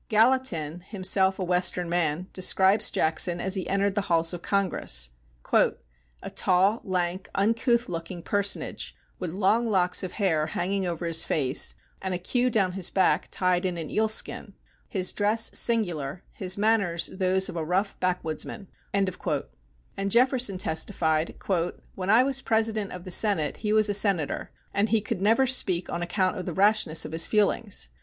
Gallatin, himself a Western man, describes Jackson as he entered the halls of Congress: "A tall, lank, uncouth looking personage, with long locks of hair hanging over his face and a cue down his back tied in an eel skin; his dress singular; his manners those of a rough backwoodsman." And Jefferson testified: "When I was President of the Senate he was a Senator, and he could never speak on account of the rashness of his feelings.